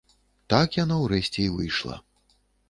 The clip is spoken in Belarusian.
Так яно ўрэшце і выйшла.